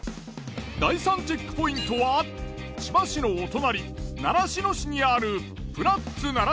第３チェックポイントは千葉市のお隣習志野市にあるプラッツ習志野。